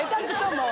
もう。